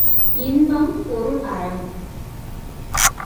இன்பம் பொருள் அறம்